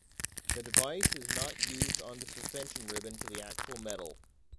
The device is not used on the suspension ribbon to the actual medal.